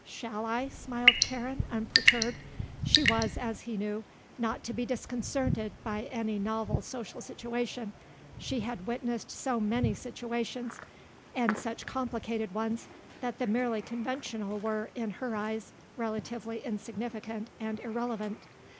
"Shall I?" smiled Karen, unperturbed. She was, as he knew, not to be disconcerted by any novel social situation. She had witnessed so many situations and such complicated ones that the merely conventional were, in her eyes, relatively insignificant and irrevelant.